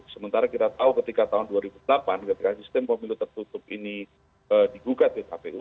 sementara kita tahu ketika tahun dua ribu delapan ketika sistem pemilu tertutup ini digugat di kpu